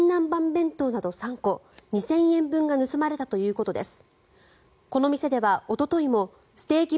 弁当など３個２０００円分が盗まれたということです。